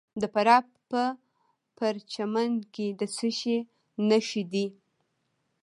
د فراه په پرچمن کې د څه شي نښې دي؟